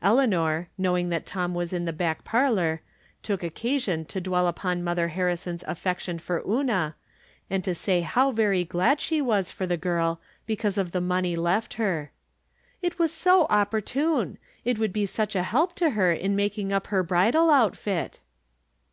Eleanor, knowing that Tom was in the back par lor, took occasion to dwell upon Mother Harri son's affection for Una, and to say how very glad she was for the girl because of the money left her. " It was so opportune ; it would be such a help to her in making up her bridal outfit."